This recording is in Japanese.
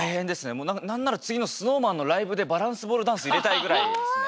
もうなんならつぎのＳｎｏｗＭａｎのライブでバランスボールダンスいれたいぐらいですね。